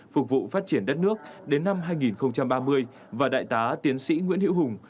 phục vụ phát triển đất nước đến năm hai nghìn ba mươi và đại tá tiến sĩ nguyễn hiễu hùng